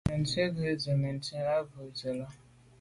Mɛ̀ntchìn gə̀ rə̌ nə̀ bə́ mɛ̀ntchìn á bû jû zə̄ à rə̂.